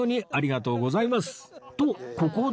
とここで